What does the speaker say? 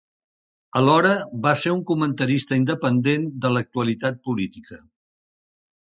Alhora va ser un comentarista independent de l'actualitat política.